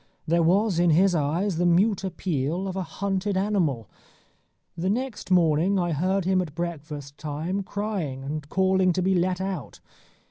There was in his eyes the mute appeal of a hunted animal. The next morning I heard him at breakfast time crying, and calling to be let out.